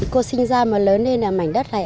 cô sinh ra mà lớn lên ở mảnh đất này